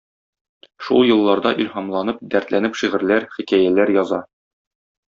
Шул елларда илһамланып-дәртләнеп шигырьләр, хикәяләр яза.